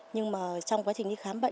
nhưng mà trong quá trình đi khám bệnh